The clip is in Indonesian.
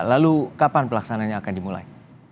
lalu kapan pelaksananya akan dimulai